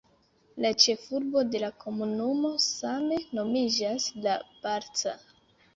La ĉefurbo de la komunumo same nomiĝas "La Barca".